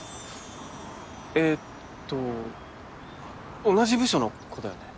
えっとあっ同じ部署の子だよね？